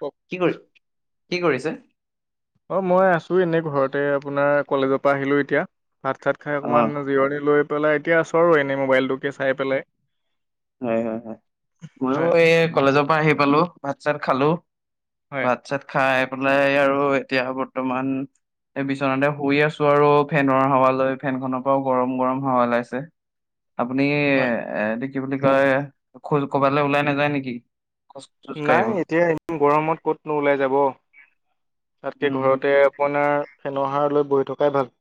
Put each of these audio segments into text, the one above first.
কওক কি কৰি কি কৰিছে। অ মই আছো এনেই ঘৰতে আপোনাৰ কলেজৰ পৰা আহিলো এতিয়া। ভাত চাত খাই অ', অকণমান জিৰণি লৈ পেলাই এতিয়া আছোঁ আৰু এনেই মোবাইলটোকে চাই পেলাই। হয় হয় হয় মইো হয় এই কলেজৰ পৰা আহি পালো ভাত চাত খালো? হয় ভাত চাত খাই পেলাই আৰু এতিয়া বৰ্তমান। এই বিচনাতে শুই আছো, আৰু ফেনৰ হাৱা লৈ ফেনখনৰ পৰাও গৰম গৰম হাৱা ওলাইছে। আপুনি হয় এটো কি বুলি কয় খোজ কবালৈ ওলাই নাযায় নেকি? খোজ চোজ নাই কাঢ়িবলৈ এতিয়া এদিন গৰমত ক'ত নো লাই যাব। তাতকে উম। ঘৰতে আপোনাৰ ফেনৰ সাৰ লৈ বহি থকাই ভাল।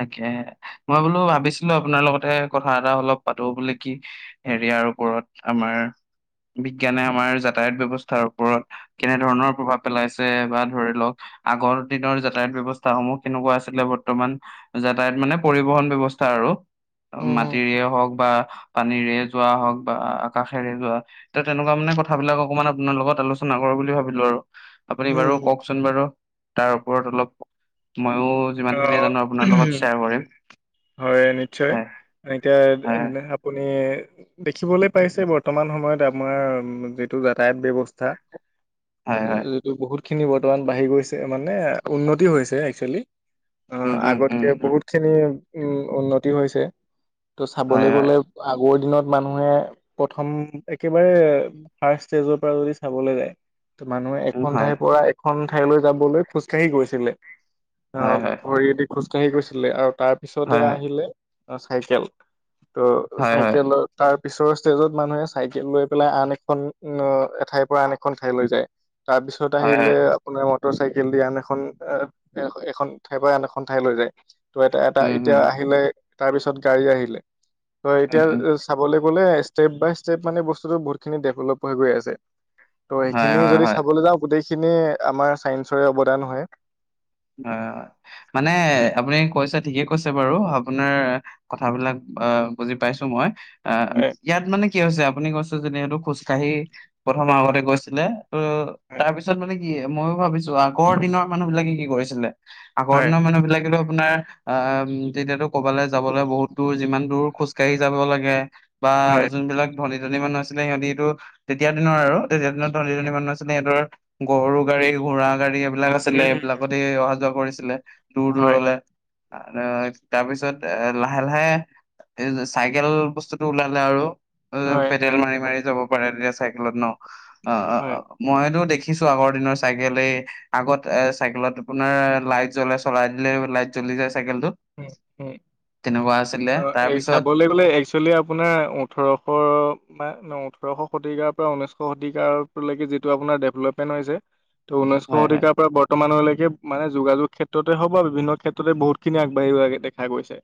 তাকে মই বোলো ভাবিছিলো আপোনাৰ লগতে কথা এটা অলপ পাতো বোলে কি হেৰি। ইয়াৰ ওপৰত আমাৰ। বিজ্ঞানে আমাৰ যাতায়াত ব্য্ৱস্থাৰ ওপৰত কেনে ধৰণৰ প্ৰভাৱ পেলাইছে বা ধৰি লওক। আগৰ দিনৰ যাতায়াত ব্যৱস্থাস সমূহ কেনেকুৱা আছিলে বৰ্তমান। যাতায়ত মানে পৰিবহন ব্যৱস্থা আৰু উম মাটিৰে হওক বা। পানীৰে যোৱা হওক বা আকাশেৰে যোৱা, তে তেনেকুৱা মানে কথাবিলাক অকনমান আপোনাৰ লগত আলোচনা কৰো বুলি ভাবিলো আৰু আপুনি বাৰু হম কওকচোন বাৰু, তাৰ ওপৰত অলপ মইয়ো যিমান অ খিনি জানো আপোনাৰ লগত - তে হয় নিশ্চয়, এতিয়া হয় আপুনি দেখিবলৈ পাইছে বৰ্তমান সময়ত আপোনাৰ যিটো যাতায়াত ব্যৱস্থা হয় হয় যিটো বহুতখিনি বৰ্তমান বাঢ়ি গৈছে মানে উন্নতি হৈছে একচুৱেলি। আহ উম উম উম আগতকে উম। বহুতখিনি উম, উন্নতি হৈছে। ত' চাবলৈ হয় হয় গ'লে আগৰদিনত মানুহে প্ৰথম একেবাৰে ফাৰ্ট ষ্টেজৰ পৰা যদি চাবলৈ যায়। মানুহে উম এখন হয় ঠাইৰ পৰা এখন ঠাইলৈ যাবলৈ খোজকাাঢ়ি গৈছিলে। হয় আহ হয় ভৰিয়ে দি খোজকাঢ়ি গৈছিলে আৰু তাৰ পিছতে হয় হয় আহিলে অ চাইকেল, ত' হয় হয় চাইকেল তাৰ পিছৰৰ ষ্টেজত মানুহে চাইকেল লৈ পেলাই আন এখন এ এঠাইৰ পৰা আন এখন ঠাইলৈ যায়। তাৰপিছত হয়, হয়। আহিলে আপোনাৰ মটৰ চাইকেল দি আন এখন, এখন ঠাইৰ পৰা আন এখন ঠাই লৈ যায়, ত এ উম, হুম। এতিয়া আহিলে তাৰপিছত গাড়ী আহিলে উম, উম। এতিয়া চাবলে। কলে ষ্টেপ বাই ষ্টেপ মানে বস্তুটো বহুতখিনি ডেভলপ হৈ গৈ আছে। ত' হয়, সেইখিনি হয়, যদি হয়। চাবলৈ যাওঁ গোটেইখিনি আমাৰ চাইন্সৰে অৱদান হয়। হয় হয় মানে হয় আপুনি কৈছে ঠিকে। কৈছে বাৰু আপোনাৰ কথাবিলাক অ বুজি পাইছো মই, অ হয় ইয়াত মানে কি হৈছে আপুনি কৈছে যে যিহেতু খোজকাঢ়ি প্ৰথমৰ আগতে গৈছিলে ত তাৰপিছত মানে কি মই ভাবিছো আগৰ দিনৰ মানুহ বিলাকে কি কৰিছিলে, আগৰ হয় দিনৰ মানুহ বিলাকেতো আপোনাৰ আহ, তেতিয়াতো ক'বালৈ যাবলৈ বহুত দূৰ যিমান দূৰ খোজ কাঢ়ি যাব লাগে। বা হয় যোনবিলাক ধনি ধনি মানুহ আছিলে সিহতিটো তেতিয়া দিনৰ আৰু। ধনী উম ধী মানু আছিলে সিহঁৰ গৰু গাড়ী ঘোঁৰা গাড়ী এইবিলাক আছিলে উম উম এইবিলাকত। অহা যোৱা কৰিছিলে, দূৰ হয় দূৰলে। আৰু তাৰপিছত এ লাহে লাহে- এই চাইকেল বস্তুটো ওলালে আৰু। অ হয় পেডেল মাৰি মাৰি যাব পাৰে তেতিয়া চাইকেলত ন, অ অ অ হয় মইতো দেখি দেখিছো আগৰ দিনৰ চাইকেলে, আগত এ চাইকেলত আপোনাৰ লাইট জ্বলাই চলাই দিলে লাইট জ্বলি যায় চাইকেলটো উম-উম। তেনেকুৱা আছিলে অ তাৰ এ পিছত চাবলৈ গ'লে একচুৱেলি আপোনাৰ ওঠৰশ বা ন [inaudible] ওঠৰশ শতিকাৰ পৰা ঊনৈশ শতিকাৰলৈকে যিটো আপোনাৰ ডেভলপমেণ্ট হৈছে ত' ঊনৈছশ হয় হয় শতিকাৰ পৰা বৰ্তমানলৈকে মানে যোগাযোগ ক্ষেত্ৰতে হওক বা বিভিন্ন ক্ষেত্ৰতে বহুত খিনি। কিমান আগবাঢ়ি দেখা গৈছে।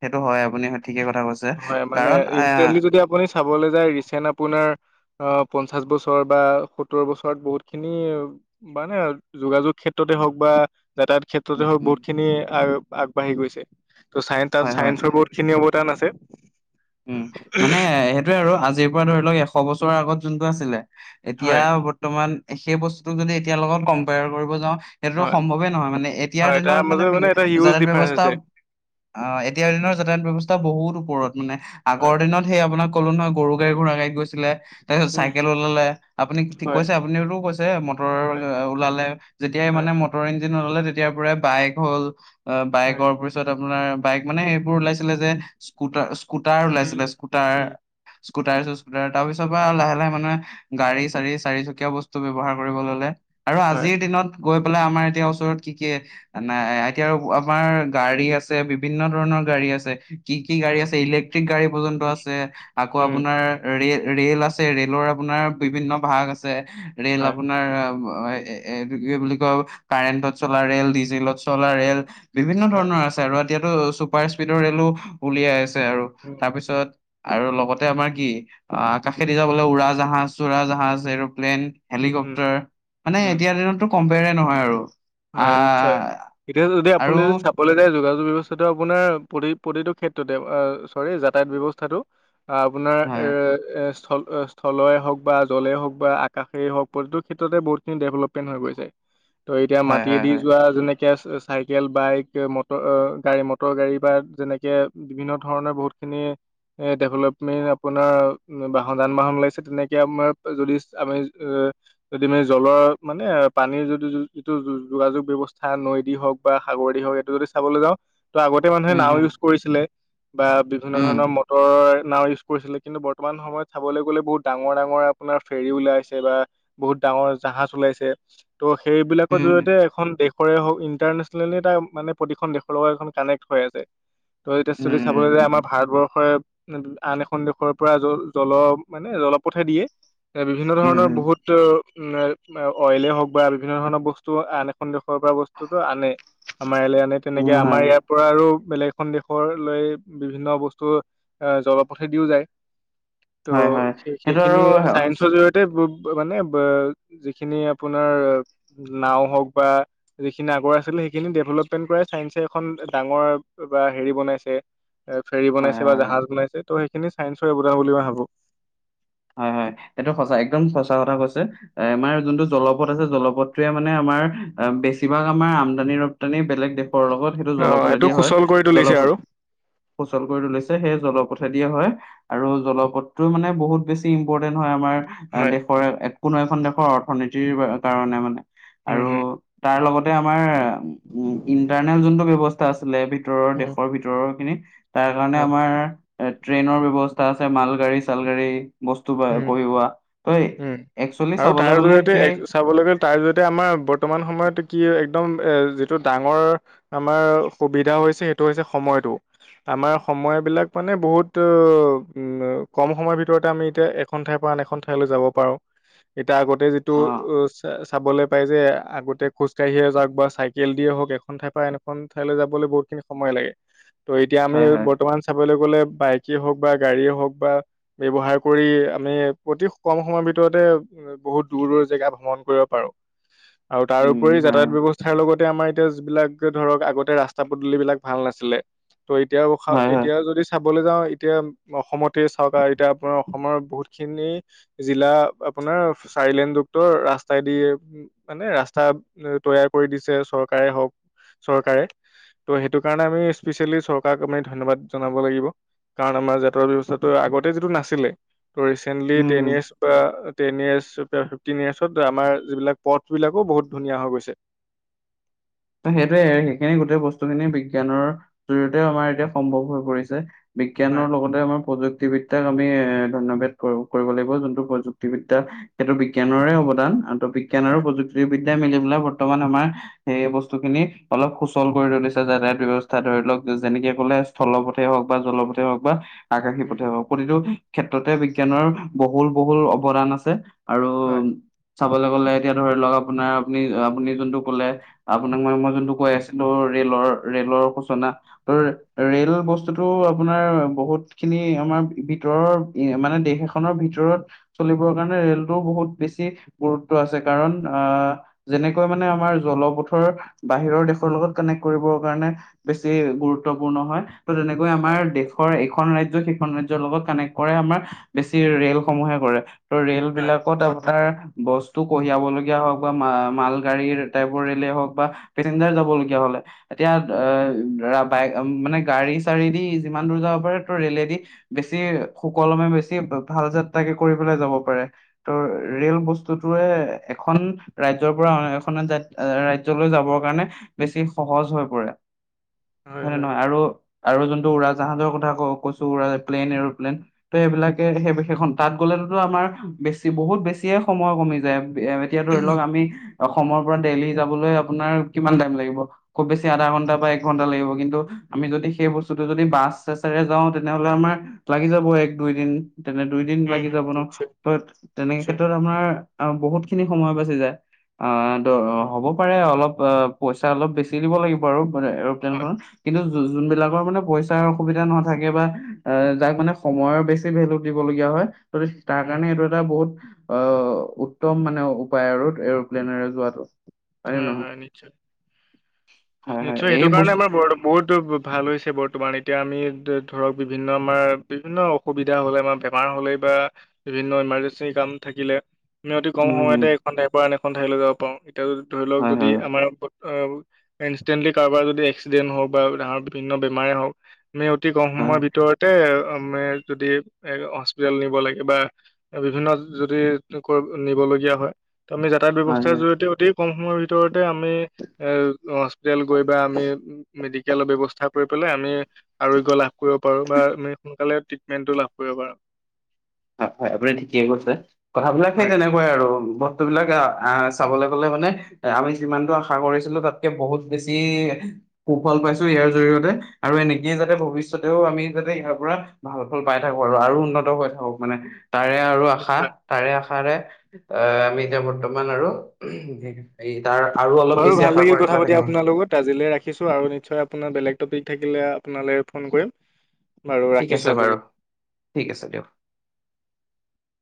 সেইটো হয় আপুনি ঠিকে কথা কৈছে হয় মানে কাৰণ এ ইনষ্টেণ্টলি যদি আপুনি চাবলৈ যায়, ৰিচেন্ট আপোনাৰ অ পঞ্চাশ বছৰ বা সত্তৰ বছৰত বহুত খিনি মানে যোগাযোগ ক্ষেত্ৰতে হওঁক বা তাত উম ক্ষেত্ৰতে হওক উম বহুত খিনি আ আগবাঢ়ি গৈছে, ত' সাইন হয় তাত হয় চাইন্সৰ বহুত খিনি টান আছে। উম, মানে সেইটোয়ে আৰু আজিৰ পৰা ধৰি লওক এশ বছৰৰ আগত যোনটো আছিলে এতিয়া হয়। বৰ্তমান সেই বস্তুতোক যদি এতিয়াৰ লগত কম্পেয়াৰ কৰিব যাওঁ সেইটো হয় সম্ভৱে নহয় মানে এতিয়াৰ হয় তাৰ দিনত মানে মাজত এটা হিউজ যাতায়াত ডিফাৰেন্ঞ্চ ব্যয়ৱস্থাও। আছে অ এতিয়া দিনৰ যাতায়ত ব্যৱস্থা বহুত ওপ- ওপৰত মানে আগৰ হয় দিনত সেই আপোনাক কলো নহ গৰু গাড়ী ঘোৰা গাড়ীত গৈছিলে। তাৰপিছত উম চাইকেল হুম, ওলালে আপুনি ঠিক হয় কৈছে, আপুনিওতো কৈছে মটৰ হয় ওলালে যেতিয়াই মানে হয় নাই মটৰ ইঞ্জিন নললে তেতিয়াৰ পৰাই বাইক হ'ল অ হয় বাইকৰ পিছত আপোনাৰ বাইক মানে সেইবোৰ ওলাইছিলে যে স্কুটাৰ স্কুটাৰ উম ওলাইছিলে, স্কুটাৰ উম স্কুটাৰ চু স্কুটাৰ, তাৰপিছৰ পৰা লাহে লাহে মানে গাড়ী চাঢ়ি চাৰিচকীয়া বস্তু ব্যৱহাৰ কৰিব ললে। আৰু হয় আজিৰ দিনত। গৈ পেলাই আমাৰ এতিয়া ওচৰত কি কি নাই এতিয়া আৰু আমাৰ গাড়ী আছে বিভিন্ন ধৰণৰ। গাড়ী আছে, কি কি গাড়ী উম আছে ইলেকট্ৰিক গাড়ী পৰ্য্যন্ত আছে, আকৌ উম আপোনাৰ ৰে ৰেল ৰে'ল আছে, ৰেলৰ আপোনাৰ বিভিন্ন ভাগ আছে। ৰেল হয় আপোনাৰ অ এ এইটো কি বুলি কয় কাৰেণ্টত চলা ৰেল ডিজেলত চলা ৰেল। বিভিন্ন হয় ধৰণৰ আছে আৰু এতিয়াতো চুপাৰ স্পীডৰ ৰেলো উলিয়াই আছে আৰু উম তাৰপিছত আৰু লগতে আমাৰ কি আ কাশেদি যাবলে উৰা জাহাজ চোৰা জাহাজ এৰ'প্লেন। উম হেলিকপটাৰ, মানে উম এতিয়াৰ দিনতো কম্পেয়াৰ নহয় আৰু। হয় নিশ্চয়, আহ এতিয়া যদি আৰু আপুনি যদি চাবলৈ যায় যোগাযোগ ব্যৱস টো আপোনাৰ প্ৰতি প্ৰতিটো ক্ষেত্ৰতে চৰি যাতায়াত ব্যৱস্থাটো। আপোনাৰ এ হয়, এ স্থল স্থলেই হওঁক বা জলেই হওঁক বা আকাশেই হওঁক প্ৰতিটো ক্ষেত্ৰতে বহুতখিনি ডেভলপমেন্ট হৈ গৈছে। তই এতিয়া হয়, হয়, মাটিয়েদি হয়। যোৱা যেনেক এতিয়া চাইকেল, বাইক, মটৰ গাড়ী, মটৰ গাড়ী বা যেনেকে বিভিন্ন ধৰণৰ বহুত খিনি ডেভেলপমেণ্ট আপোনাৰ বাহন, যান-বাহন ওলাইছে, তেনেকে আমাৰ যদি আমি এ যদি মানে জলৰ মানে পানীৰ যদি যি যিটো যোগাযোগ ব্যৱস্থা নৈ দি হওঁক বা সাগৰে দি হওঁক এইটো যদি চাবলৈ যাওঁ ত' আগতে মানুহে উম, নাও উম, ইউজ কৰিছিলে। বা বিভিন্ন উম, ধৰণৰ মটৰ নাও ইউজ কৰিছিলে। কিন্তু বৰ্তমান সময়ত চাবলৈ গ'লে বহুত ডাঙৰ-ডাঙৰ আপোনাৰ ফেৰী ওলাইছে বা বহুত ডাঙৰ জাহাজ ওলাইছে। ত' সেইবিলাকৰ উম, জৰিয় দেশৰে হওঁক, ইন্টাৰনেচনেলি এটা মানে প্ৰতিখন দেশৰ লগত এখন কানেক্ট হৈ আছে। ত এতিয়া যদি উম, চাবলৈ যায় আমাৰ উম, ভাৰতবৰ্ষৰে আন এখন দেশৰ পৰা জ জল মানে জলপথেদিয়ে এ বিভিন্ন ধৰণৰ উম, বহুত অইলে হওঁক বা বিভিন্ন ধৰণৰ বস্তু আন এখন দেশ দেশৰ পৰা বস্তুটো আনে, আমাৰ ইয়ালে আনে। তেনেকে উম, আমাৰ হয়, ইয়াৰ পৰা আৰু বেলেগ এখন দেশৰ লৈ বিভিন্ন বস্তু এ জলপথে দিও যায়। হয়, হয়। ত' সেইটো আৰু সেইখিনি হয়, হয়, চায়েন্সৰ জৰিয়তে বো ত মানে যিখিনি আপোনাৰ নাও হওঁক বা যিখিনি আগৰ আছিল সেইখিনি ডেভলপমেণ্ট পৰা চাইন্সে এখন ডাঙৰ বা বা হেৰি বনাইছে এ ফেৰী বনাইছে বা হয়, জাহাজ বনাইছে। ত' সেইখিনি চাইন্সৰে অৱদান বুলি মই ভাবো। হয় হয়, এইটো সঁচা একদম সঁচা কথা কৈছে, আমাৰ যোনটো জলপথ আছে জলপথ টোৱে মানে আমাৰ বেছিভাগ আমাৰ আমদানিৰ দানী বেলেগ দেশৰ লগত সেইটো অ এইটো জলপথেদি হয়, সুচল কৰি তুলিছে জলপ আৰু সুচল কৰি তুলিছে, সেই জলপথে দিয়ে হয়। আৰু জলপথটো মানে বহুত বেছি ইম্পৰ্টেন্ট হয় আমাৰ হয়। দেশৰ কোনো এখন দেশৰ অৰ্থনীতিৰ কাৰণে মানে উম, আৰু হম, তাৰ লগতে আমাৰ উম ইন্টাৰনেল যোনটো ব্যৱস্থা আছিলে ভিতৰৰ উম। দেশৰ ভিতৰৰখিনিত। তাৰ কাৰণে হয়। আমাৰ এ ট্ৰেইনৰ ব্যৱস্থা আছে, মালগাড়ী-চালগাড়ী উম উম একচুৱেলি আৰু চাবলৈ তাৰ গ'লে সেই জৰিয়তে চাবলৈ গ'লে তাৰ জৰিয়তে আমাৰ বৰ্তমান সময়ত কি হৈ একদম এ যিটো ডাঙৰ আমাৰ অসুবিধা হৈছে সেইটো হৈছে সময়টো। আমাৰ সময় বিলাক মানে বহুত উম কম সময়ৰ ভিতৰতে আমি এতিয়া এখন ঠাইৰ পৰা আন এখন ঠাইলৈ যাব পাৰো। এতিয়া আগতে যিটো অ চা চাবলে পাই যে আগতে খোজকাঢ়িয়ে যাওক বা চাইকেল দিয়ে হওক এখন ঠাই পৰা এখন ঠাইলৈ যাবলৈ বহুতখিনি সময় লাগে। ত' এতিয়া আমি হয় হয় বৰ্তমান চাবলৈ গ'লে বাইকে হওঁক বা গাড়ীয়ে হওঁক বা ব্যৱহাৰ কৰি আমি অতি কম সময়ৰ ভিতৰতে বহুত দূৰ দূৰ জেগা ভ্ৰমণ কৰিব পাৰো। [inaudible] আৰু তাৰ উপৰি হয় যাতায়ত হয় ব্যৱস্থাৰ লগত তে আমাৰ এতিয়া যিবিলাক ধৰক আগতে ৰাস্তা পদূলিবিলাক ভাল নাছিলে। ত' এতিয়া হয় হয় এতিয়া যদি চাবলৈ যাওঁ এতিয়া অসমতে চাওক এতিয়া আপোনাৰ অসমৰ বহুত খিনি জিলা আপোনাৰ চাৰি লেনযুক্ত ৰাস্তাই দিয়ে মানে ৰাস্তা তৈয়াৰ কৰি দিছে চৰকাৰে হওঁক, চৰকাৰে। ত' সেইটো কাৰণে আমি স্পেচিয়েলি চৰকাৰক আমি ধন্যবাদ জনাব লাগিব। কাৰণ আমাৰ যাতায়াত ব্যৱস্থাটো আগতে যিটো নাছিলে ত ৰিচেন্টলি উম টেন হম ইয়াৰ্চ বা টেন ইয়েৰ্চ, ফিফটিন ইয়াৰ্চত আমাৰ যিবিলাক পথ বিলাকো বহুত ধুনীয়া হৈ গৈছে। [inaudible] ত সেইটোৱে সেইখিনি গোটেই বস্তুখিনি বিজ্ঞানৰ জৰিয়তেও আমাৰ এতিয়া সম্ভৱ হৈ পৰিছে হয় বিজ্ঞানৰ লগতে আমাৰ প্ৰযুক্তি প্ৰুক্তিবিদ্যাক আমি এ ধন্যবদ কৰিব লাগিব। যোনটো প্ৰযুক্তিবিদ্যা সেইটো বিজ্ঞানৰে অৱদান বিজ্ঞান আৰু হয় প্ৰযুক্তিবিদ্যাই মিলি পেলাই বৰ্তমান আমাৰ সেই বস্তু বস্তু খিনি অলপ সুচল কৰি তুলিছে যাতায়ত ব্যৱস্থা ধৰি লওক যেনেকে কলে স্থলপথে হওক বা জলথ কতে হওক বা আকাশী উম পঠিয়াব প্ৰতিটো ক্ষেত্ৰতে বিজ্ঞানৰ বহুল বহুল অৱদান আছে আৰু হয় চাবলৈ গলে এতিয়া ধৰি লওক আপোনাৰ আপুনি আপুনি যোনটো কলে আপোনাক মই মই যোনটো কৈ আছিলো ৰেলৰ ৰেলৰ সূচনা ত ৰেল বস্তুতটো আপোনাৰ বহুত খিনি আমাৰ ভিতৰৰ মানে দেশ এখনৰ ভিতৰত চলিবৰ কাৰণে ৰেলটো বহুত বেছি গুৰুত আছে কাৰণ আ যেনেকৈ মানে আমাৰ জলপথে বাহিৰৰ দেশৰ লগত কানেক্ট কৰিবৰ কাৰণে বেছি গুৰুত্বপূৰ্ণ হয় ত তেনেকৈ আমাৰ দেশৰ এখন ৰাজ্য সেইখন ৰাজ্য ৰ লগত কানেক্ট কৰে আমাৰ বেছি ৰেলসমূহে কৰে ত' ৰেল হয় বিলাকত আপোনাৰ বস্ত কঢ়িয়াবলগীয়া হওক বা মাল গাড়ীৰ টাইপৰ ৰেলে হওক বা পেচঞ্জাৰ যাব লগীয়া হলে এতিয়া অ বাইক মানে গাড়ী চাৰী দি [unintelligible] ইমান দূৰ যাব পাৰে ত' ৰেলেদি বেছি সুকলমে বেছি ভাল যাত্ৰাকে কৰি পেলাই যাব পাৰে ত' ৰেল বস্তুতোয়ে এখন ৰাজ্যৰ পৰা এখনে যাত এ ৰাজ্য ৰাজ্যলৈ যাবৰ কাৰণে বেছি সহজ হৈ পৰে হয় হয়নে হয় নহয় আৰু আৰু যোনটো উৰা জাহাজৰ কথা ক কৈছো প্লেন এৰ'প্লেইন ত' সেইবিলাকে সেই সেইখন তাত গ'লেতো আমাৰ বেছি বহুত বেছিয়ে সময় কমি যায় এতিয়া ধৰি লওক আমি অসমৰ পৰা দেলহি যাবলৈ আপোনাৰ কিমান টাইম লাগিব খুব বেছি আধাঘণ্টা বা একঘণ্টা লাগিব কিন্তু আমি যদি সেই বস্তুটো যদি বা আছে চৰে যাওঁ তেনেহলে, আমাৰ লাগি যাব এক দুই দিন। তেনে দুই দিন উম লাগি যাব ন। নিশ্চয় ত তেনেকে নিশ্চয় ক্ষেত্ৰত আপোনাৰ বহুত খিনি সময় বাচি যায়। অ দ উম হ'ব পাৰে অলপ অ পইচা অলপ বেছি দিব লাগিব আৰু কোনে হয় এৰপ্লেনখনত কিন্তু হয় যোনবিলাকৰ মানে পইচা তাৰ অসুবিধা নাথাকে বা যাক মানে সময়ৰ বেছি ভেলু দিবলগীয়া হয় তাৰ উম কাৰণে এইটো এটা বহুত অ' উত্তম মানে উপায় ৰ এৰোপ্লেনেৰে যোৱাটো হয়ে হয় নহয়। হয় নিশ্চয়, হয় হয় নিশ্চয়, সেইটো এই কাৰণে বস্তু আমাৰ ব বহুত ভাল হৈছে বৰ তোমাৰ এতিয়া আমি ধৰক বিভিন্ন আমাৰ বিভিন্ন অসুবিধা হলে আমাৰ বেমাৰ হলেই বা বিভিন্ন ইমাৰ্জেঞ্চি কাম থাকিলে আমি অতি কম উম সময়তে এখন ঠাইৰ পৰা আন এখন ঠাইলৈ যাব পাৰোঁ এতিয়া ধৰি লওক হয় যদি হয় আমাৰ ইনষ্টেণ্টলি কাৰোবাৰ যদি এক্সিডেন্ট হওক বা ডাঙৰ বিভিন্ন বেমাৰে হওক [unintelligible] আমি অতি কম হয় সময়ৰ ভিতৰতে অ' যদি এ হস্পিতেল নিব লাগে বা বিভিন্ন যদি নিব লে দিয়া হয় ত আমি যাতায়ত হয় ব্যৱস্থাৰ হয় জৰিয়তে অতি কম সময়ৰ ভিতৰত আমি এ হস্পিতোল গৈ বা আমি মেডিকেলৰ ব্যৱস্থা কৰি পেলাই আমি [unintelligible] আৰোগ্য লাভ কৰিব পাৰো বা আমি সোনকালে তৃতমেন্টো লাভ কৰিব পাৰো। [unintelligible] হয় হয় আপুনি ঠিকে কৈছে কথাবিলাক সেই হয়। তেনেকোৱাই আৰু ব বস্তু বিলাক আহ চাবলৈ গ'লে মানে আমি যিমানটো আশা কৰিছিলো তাতকে বহুত বেছি খুব ভাল পাইছো ইয়াৰ জৰিয়তে আৰু এনেকয়ে যাতে ভৱিষ্যতেও আমি যাতে ইয়াৰ পৰা ভাল ফল পাই থাকো আৰু আৰু উন্নত হৈ থাকো মানে তাৰে আৰু আশা নিশ্চয় তাৰে আশা [unintelligible] তাৰে এ আমি এতিয়া বৰ্তমান আৰু তাৰ আৰু অলপ বাৰু বেছি ভাল আশা লাগিল কৰি কথা পেলাই পাতি থাকিম আপোনাৰ লগত। আজিলৈ ৰাখিছো আৰু নিশ্চয় আপোনাৰ বেলেগ পিক-নিক থাকিলে আপোনালৈ ফোন কৰিম বাৰু ঠিক আছে ৰাখিছো বাৰু আজিলৈ। ঠিক আছে দিয়ক।